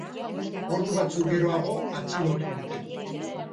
Ordu batzuk geroago atxilotu dute.